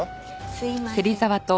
すいません。